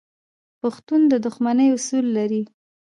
پښتون د دښمنۍ اصول لري.